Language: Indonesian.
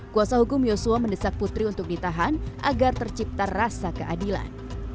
kuasa hukum yosua mendesak putri untuk ditahan agar tercipta rasa keadilan